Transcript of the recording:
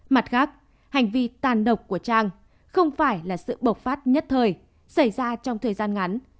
mặt khác hành vi tàn độc của trang không phải là sự bộc phát nhất thời xảy ra trong thời gian ngắn